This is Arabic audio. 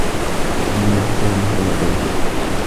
فَإِنَّ حِسَابَهُ يَطُولُ